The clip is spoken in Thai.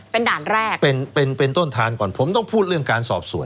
เป็นด่านแรกเป็นเป็นต้นทานก่อนผมต้องพูดเรื่องการสอบสวน